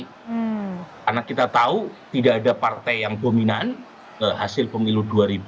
karena kita tahu tidak ada partai yang dominan hasil pemilu dua ribu dua puluh empat